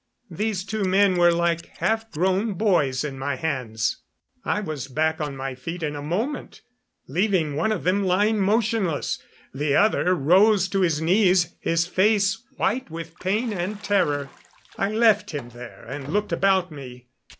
These two men were like half grown boys in my hands. I was back on my feet in a moment, leaving one of them lying motionless. The other rose to his knees, his face white with pain and terror. I left him there and looked about me.